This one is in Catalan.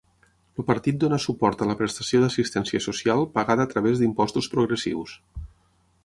El partit dona suport a la prestació d'assistència social pagada a través d'impostos progressius.